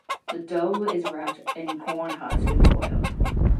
The dough is wrapped in corn husks and boiled.